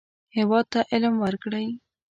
هېواد ته علم ورکړئ